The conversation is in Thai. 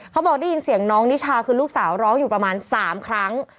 เขาบอกได้ยินเสียงน้องนิชาคือลูกสาวร้องอยู่ประมาณ๓ครั้ง